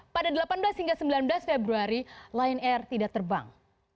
pada delapan belas hingga sembilan belas februari lion air tidak terbang